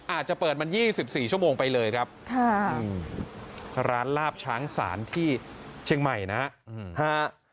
อาจจะเปิดมัน๒๔ชั่วโมงไปเลยครับค่ะร้านลาบช้างศาลที่เชียงใหม่นะฮะ